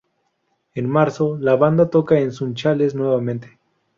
En marzo, la banda toca en Sunchales nuevamente.